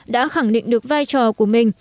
đã khẳng định được vai trò của mình